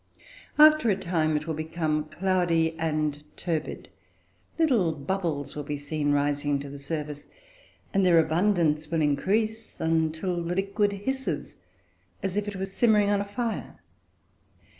After a time it will become cloudy and turbid; little bubbles will be seen rising to the surface, and their abundance will increase until the liquid hisses as if it were simmering on the fire.